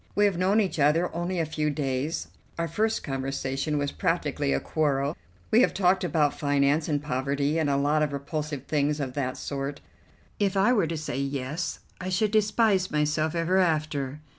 We have known each other only a few days; our first conversation was practically a quarrel; we have talked about finance, and poverty, and a lot of repulsive things of that sort. If I were to say, 'Yes,' I should despise myself ever after.